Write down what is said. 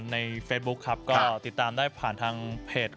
ในเฟซบุ๊คครับก็ติดตามได้ผ่านทางเพจ